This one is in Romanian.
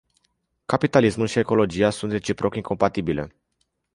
Capitalismul și ecologia sunt reciproc incompatibile.